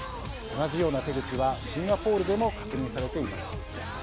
同じような手口はシンガポールでも確認されています。